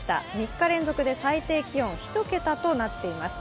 ３日連続で最低気温１桁となっています。